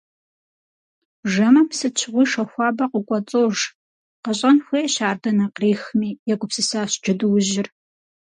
Жэмым сыт щыгъуи шэ хуабэ къыкӏуэцӏож… Къэщӏэн хуейщ ар дэнэ кърихми - егупсысащ джэдуужьыр.